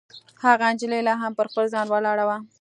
هغه نجلۍ لا هم پر خپل ځای ولاړه وه.